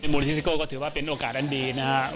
มูลฮิซิโก้ก็ถือว่าเป็นโอกาสอันดีนะครับ